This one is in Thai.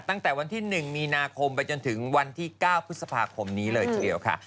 ตั้งแต่วันที่๑มีนาคมไปจนถึงวันที่๙พฤษภาคมนี้เลยทีเดียวค่ะ